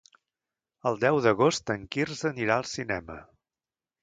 El deu d'agost en Quirze anirà al cinema.